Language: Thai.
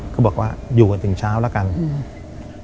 ก็บอกว่าอยู่กันถึงเช้าแล้วกันอืม